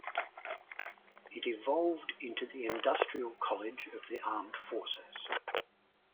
It evolved into the Industrial College of the Armed Forces.